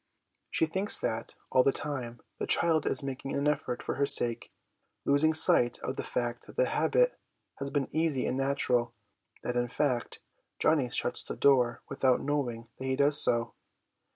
' She thinks that, all the time, the child is making an effort for her sake ; losing sight of the fact that the habit has become easy and natural, that, in fact, Johnny shuts the door without knowing that he does so.